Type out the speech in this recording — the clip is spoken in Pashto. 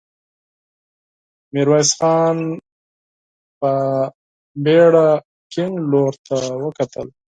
ميرويس خان په بېړه کيڼ لور ته وکتل.